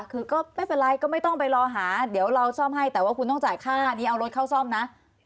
คือก็ไม่เป็นไรก็ไม่ต้องไปรอหาเดี๋ยวเราซ่อมให้แต่ว่าคุณต้องจ่ายค่านี้เอารถเข้าซ่อมนะ